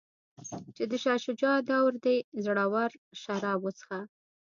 چې د شاه شجاع دور دی زړور شراب وڅښه.